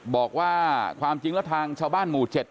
บอกว่าความจริงแล้วทางชาวบ้านหมู่๗